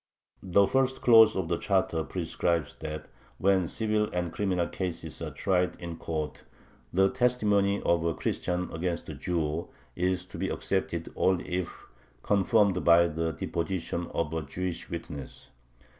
The first clause of the charter prescribes that, when civil and criminal cases are tried in court, the testimony of a Christian against a Jew is to be accepted only if confirmed by the deposition of a Jewish witness.